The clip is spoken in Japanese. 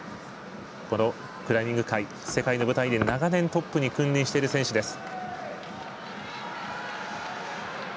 このクライミング界世界の舞台で長年にトップに君臨している選手です。